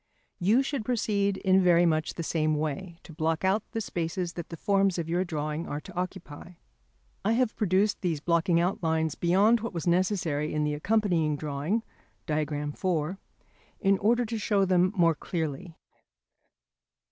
You should proceed in very much the same way to block out the spaces that the forms of your drawing are to occupy. I have produced these blocking out lines beyond what was necessary in the accompanying drawing (page 87 [Transcribers Note: Diagram IV]), in order to show them more clearly.